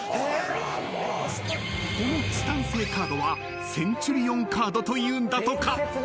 ［このチタン製カードはセンチュリオンカードというんだとか］